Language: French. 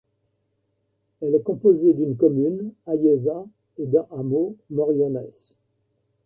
Elle est composée d'une commune, Ayesa et d'un hameau, Moriones.